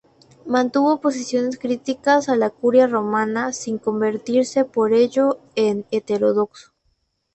Mantuvo posiciones críticas a la Curia romana, sin convertirse por ello en heterodoxo.